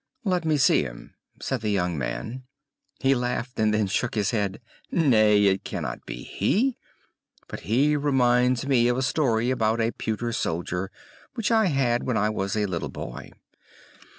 "Let me see him," said the young man. He laughed, and then shook his head. "Nay, it cannot be he; but he reminds me of a story about a pewter soldier which I had when I was a little boy!"